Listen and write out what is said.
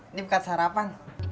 ini bukan sarapan